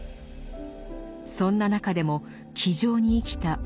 そんな中でも気丈に生きた